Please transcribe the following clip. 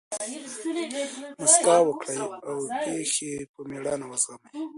مسکا وکړئ! او پېښي په مېړانه وزغمئ!